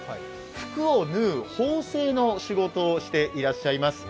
服を縫う縫製の仕事をしていらっしゃいます。